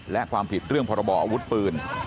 และความผิดเรื่องพรบออาวุธปืน